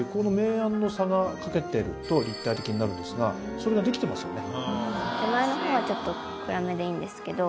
それができてますよね。